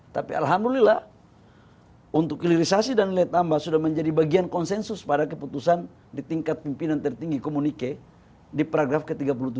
tapi alhamdulillah untuk hilirisasi dan nilai tambah sudah menjadi bagian konsensus pada keputusan di tingkat pimpinan tertinggi komunike di peragraf ke tiga puluh tujuh